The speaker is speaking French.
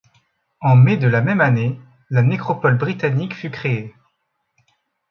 En mai de la même année, la nécropole britannique fut créée.